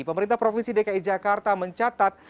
pemerintah provinsi dki jakarta mencatat